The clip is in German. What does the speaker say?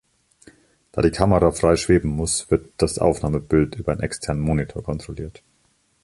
Da die Kamera frei schweben muss, wird das Aufnahme-Bild über einen externen Monitor kontrolliert.